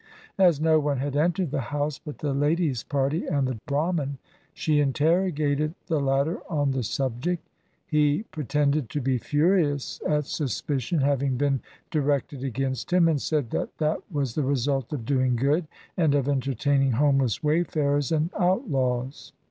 As no one had entered the house but the lady's party and the Brahman, she interrogated the latter on the subject. He pretended to be furious at suspicion having been directed against him, and said that that was the result of doing good and of enter taining homeless wayfarers and outlaws.